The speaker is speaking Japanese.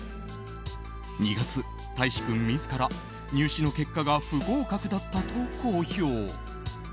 ２月、大維志君自ら入試の結果が不合格だったと公表。